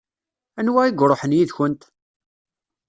Anwa i iṛuḥen yid-kent?